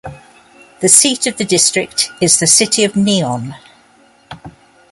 The seat of the district is the city of Nyon.